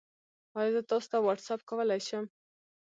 ایا زه تاسو ته واټساپ کولی شم؟